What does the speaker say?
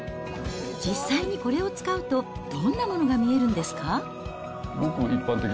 実際にこれを使うとどんなものが見えるんですか。